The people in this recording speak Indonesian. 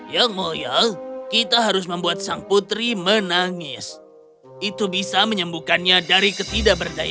yang mulia kita harus membuat sang putri menangis itu bisa menyembuhkannya dari ketidakberdayaan